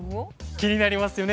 気になりますよね